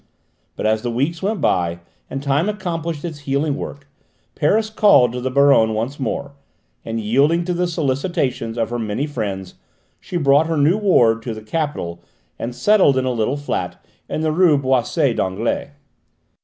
But as the weeks went by and time accomplished its healing work, Paris called to the Baronne once more, and yielding to the solicitations of her many friends she brought her new ward to the capital and settled in a little flat in the rue Boissy d'Anglais.